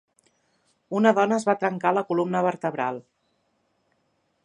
Una dona es va trencar la columna vertebral.